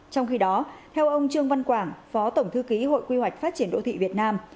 trong khi đó theo ông trương văn quảng phó tổng thư ký hội quy hoạch phát triển đô thị việt nam